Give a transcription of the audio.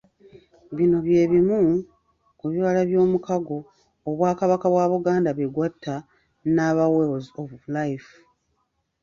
Bino bye bimu kubibala by'omukago Obwakabaka bwa Buganda bwe gwatta n'aba Wells of Life.